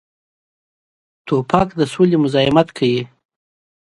توپک د سولې مزاحمت کوي.